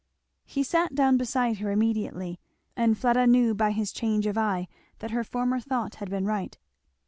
He sat down beside her immediately, and Fleda knew by his change of eye that her former thought had been right.